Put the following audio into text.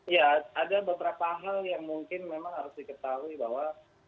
ya ada beberapa hal yang mungkin memang harus diketahui bahwa